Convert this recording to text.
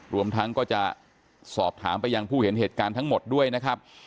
รวมทั้งก็จะสอบถามไปยังผู้เห็นเหตุการณ์ทั้งหมดด้วยนะครับ